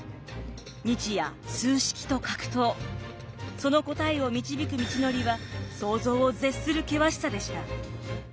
その答えを導く道のりは想像を絶する険しさでした。